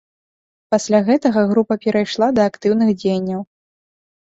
Пасля гэтага група перайшла да актыўных дзеянняў.